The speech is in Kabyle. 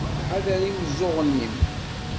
Ḥader imeẓẓuɣen-im.